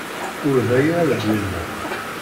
Ur d aya ay d-yenna.